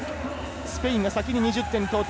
スペインが先に２０点に到達。